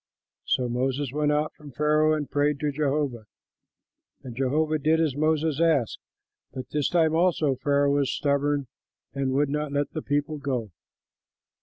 So Moses went out from Pharaoh and prayed to Jehovah. And Jehovah did as Moses asked; but this time also Pharaoh was stubborn and would not let the people go.